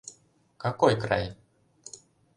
Какой край?